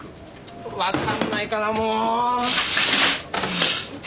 わかんないかなもう！